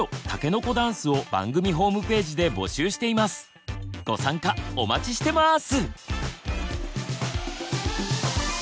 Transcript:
番組ではご参加お待ちしてます！